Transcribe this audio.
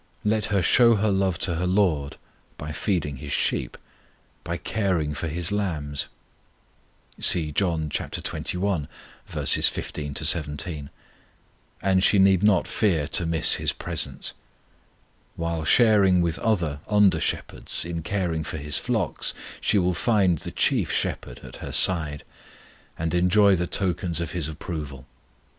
Let her show her love to her LORD by feeding His sheep, by caring for His lambs (see John xxi. 15 17), and she need not fear to miss His presence. While sharing with other under shepherds in caring for His flock she will find the CHIEF SHEPHERD at her side, and enjoy the tokens of His approval.